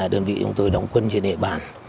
đơn vị chúng tôi đóng quân trên địa bàn